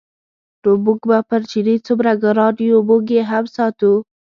نو موږ به پر چیني څومره ګران یو موږ یې هم ساتو.